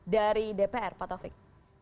dari dpr pak taufik